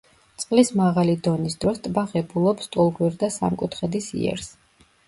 წყლის მაღალი დონის დროს ტბა ღებულობს ტოლგვერდა სამკუთხედის იერს.